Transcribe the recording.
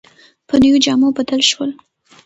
په نویو جامو بدل شول.